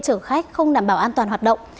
chở khách không đảm bảo an toàn hoạt động